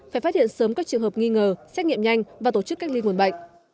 phải phát hiện sớm các trường hợp nghi ngờ xét nghiệm nhanh và tổ chức cách ly nguồn bệnh